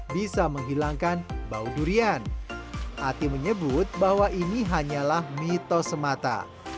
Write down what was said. bisa menghilangkan bau durian ati menyebut bahwa ini hanyalah mitos semata